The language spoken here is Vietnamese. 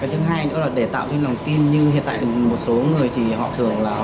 thứ hai nữa là để tạo cái lòng tin như hiện tại một số người thì họ thường là